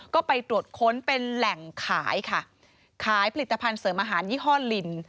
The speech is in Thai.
ก็ไปตรวจค้นเป็นแหล่งขายค่ะขายผลิตภัณฑ์เสริมอาหารยี่ห้อลิน